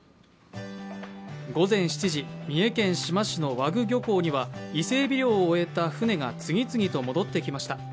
午前７時、三重県志摩市の和具漁港には伊勢えび漁を終えた船が次々と戻ってきました。